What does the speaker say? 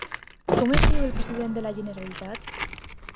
Com es diu el president de la Generalitat?